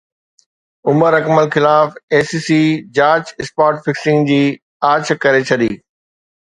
عمر اڪمل خلاف I C C جاچ spot fixing جي آڇ ڪري ڇڏي